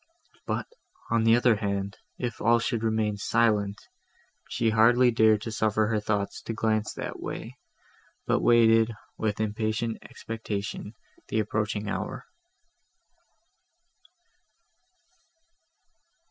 But, on the other hand, if all should be silent! She hardly dared to suffer her thoughts to glance that way, but waited, with impatient expectation, the approaching hour.